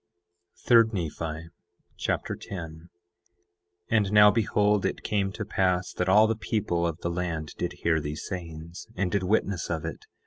3 Nephi Chapter 10 10:1 And now behold, it came to pass that all the people of the land did hear these sayings, and did witness of it.